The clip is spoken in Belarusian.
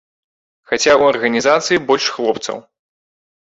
Хаця ў арганізацыі больш хлопцаў.